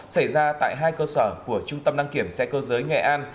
xảy ra tại hai cơ sở của trung tâm đăng kiểm xe cơ giới nghệ an